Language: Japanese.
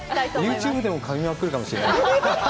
ユーチューブでもかみまくるかもしれないよ。